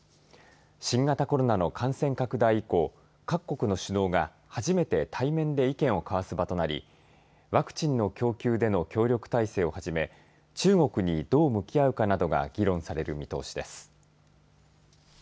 新型コロナの感染拡大以降各国の首脳が初めて対面で意見を交わす場となりワクチンの供給での協力体制をはじめ中国にどう向き合うかなどが議論される見通しです。